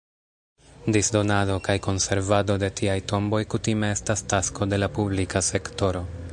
Disdonado kaj konservado de tiaj tomboj kutime estas tasko de la publika sektoro.